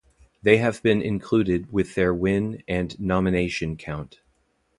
They have been included with their win and nomination count.